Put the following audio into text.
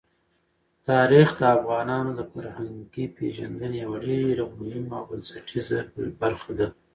تاریخ د افغانانو د فرهنګي پیژندنې یوه ډېره مهمه او بنسټیزه برخه ده.